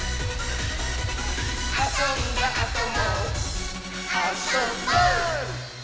「あそんだあともあ・そ・ぼっ」